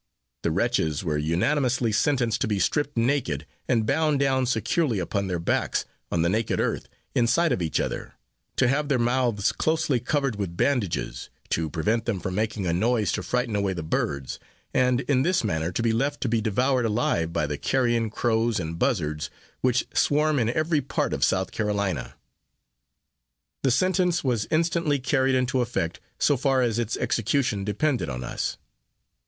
The wretches were unanimously sentenced to be stripped naked, and bound down securely upon their backs, on the naked earth, in sight of each other; to have their mouths closely covered with bandages, to prevent them from making a noise to frighten away the birds, and in this manner to be left to be devoured alive by the carrion crows and buzzards, which swarm in every part of South Carolina. The sentence was instantly carried into effect, so far as its execution depended on us.